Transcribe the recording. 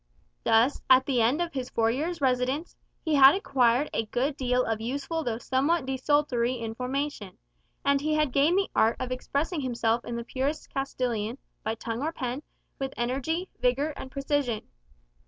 Thus, at the end of his four years' residence, he had acquired a good deal of useful though somewhat desultory information; and he had gained the art of expressing himself in the purest Castilian, by tongue or pen, with energy, vigour, and precision.